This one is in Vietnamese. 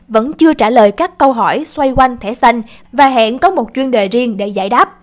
vẫn chưa trả lời các câu hỏi xoay quanh thẻ xanh và hẹn có một chuyên đề riêng để giải đáp